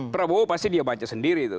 prabowo pasti dia baca sendiri itu